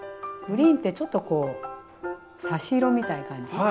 グリーンってちょっとこう差し色みたいな感じ。